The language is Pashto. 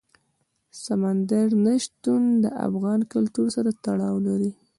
سمندر نه شتون د افغان کلتور سره تړاو لري.